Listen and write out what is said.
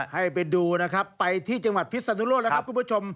ให้ไปดูนะครับไปที่จังหวัดพิศนุโลกแล้วครับคุณผู้ชม